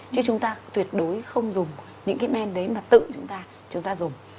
chứ chúng ta tuyệt đối không dùng những cái men đấy mà tự chúng ta dùng